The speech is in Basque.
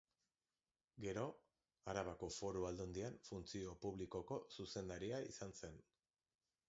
Gero, Arabako Foru Aldundian Funtzio Publikoko zuzendaria izan zen.